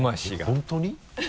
本当に？